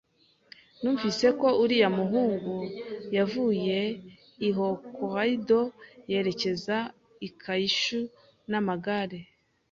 Numvise ko uriya muhungu yavuye i Hokkaido yerekeza i Kyushu n'amagare.